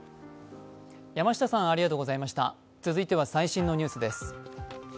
続いては最新のニュースです。